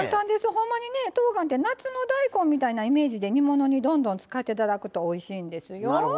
ほんまにねとうがんって夏の大根みたいなイメージで煮物にどんどん使っていただくとおいしいんですよ。